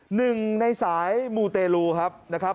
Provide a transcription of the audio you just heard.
หนึ่งในสายมูเตลูครับนะครับ